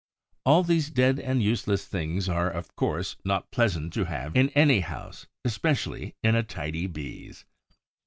All these dead and useless things are, of course, not pleasant to have in any house, especially in a tidy Bee's.